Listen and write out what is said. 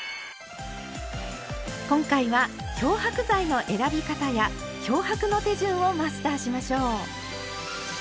今回は漂白剤の選び方や漂白の手順をマスターしましょう。